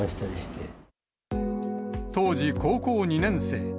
当時、高校２年生。